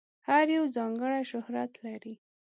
هر یو ځانګړی شهرت لري.